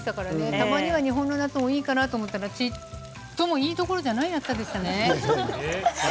たまには日本の夏もいいかなと思ったら、ちっともいいどころではない暑さでしたね。